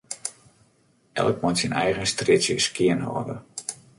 Elk moat syn eigen strjitsje mar skjinhâlde.